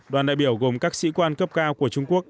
đoàn đại biểu gồm các sĩ quan cấp cao của trung quốc